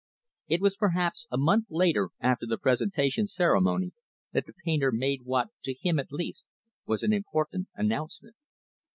It was, perhaps, a month after the presentation ceremony, that the painter made what to him, at least was an important announcement.